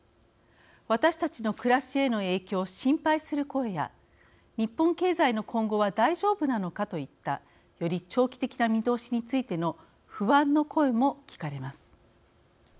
私たちの暮らしへの影響を心配する声や日本経済の今後は大丈夫なのかといったより長期的な見通しについての不安の声も聞かれます。